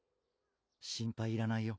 心配いらないよ